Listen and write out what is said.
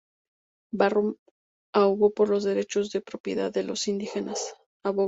Barrow abogó por los derechos de propiedad de los indígenas.